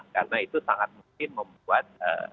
karena itu sangat mungkin membuat